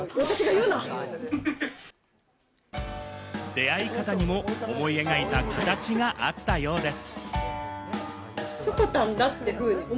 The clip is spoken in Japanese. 出会い方にも思い描いた形があったようです。